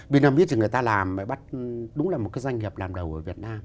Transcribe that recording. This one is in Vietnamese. vinamid thì người ta làm đúng là một cái doanh nghiệp làm đầu ở việt nam